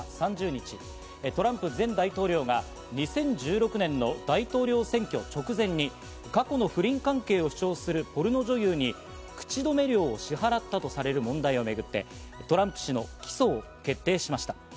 複数のアメリカメディアによりますと、ニューヨーク州マンハッタン地区の大陪審は３０日、トランプ前大統領が２０１６年の大統領選挙直前に過去の不倫関係を主張するポルノ女優に口止め料を支払ったとされる問題をめぐって、トランプ氏の起訴が決定しました。